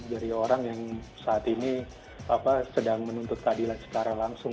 dari orang yang saat ini sedang menuntut keadilan secara langsung